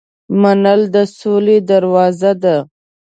منل د سولې دروازه ده.